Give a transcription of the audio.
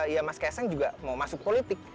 ya mas kaisang juga mau masuk politik